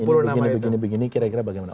kalau saya bilangnya begini kira kira bagaimana